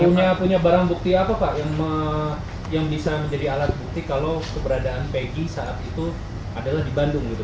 yang bisa menjadi alat bukti kalau keberadaan pegi saat itu adalah di bandung